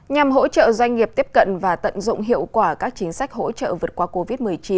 nhằm hỗ trợ doanh nghiệp tiếp cận và tận dụng hiệu quả các chính sách hỗ trợ vượt qua covid một mươi chín